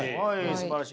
すばらしい。